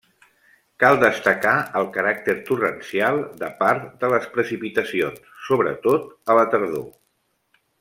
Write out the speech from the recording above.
Cal destacar el caràcter torrencial de part de les precipitacions, sobretot a la tardor.